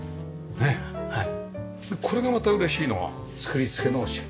これがまた嬉しいのは作り付けのしっかりした。